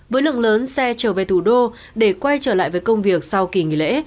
với lượng lớn xe trở về thủ đô để quay trở lại với công việc sau kỳ nghỉ lễ